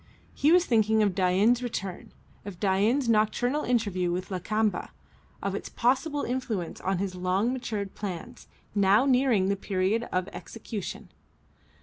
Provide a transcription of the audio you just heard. He was thinking of Dain's return, of Dain's nocturnal interview with Lakamba, of its possible influence on his long matured plans, now nearing the period of their execution.